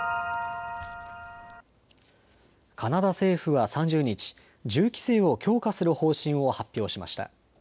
カナダ政府は３０日、銃規制を強化する方針を発表しました。